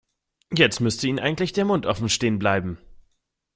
Jetzt müsste Ihnen eigentlich der Mund offen stehen bleiben.